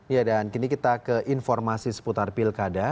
ya dan kini kita ke informasi seputar pilkada